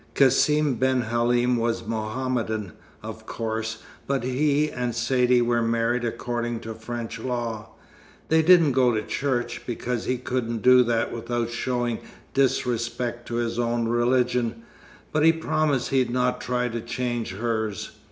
Cassim ben Halim was Mohammedan, of course, but he and Saidee were married according to French law. They didn't go to church, because he couldn't do that without showing disrespect to his own religion, but he promised he'd not try to change hers.